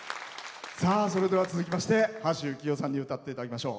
それでは続きまして橋幸夫さんに歌っていただきましょう。